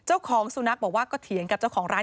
เจ้าของสุนัขบอกว่าก็เถียงกับเจ้าของร้าน